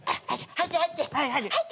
入って入って。